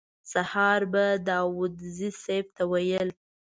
سهار به داوودزي صیب ته ویل.